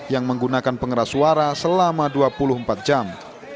yang menggunakan pengeras suara selama dua puluh empat jam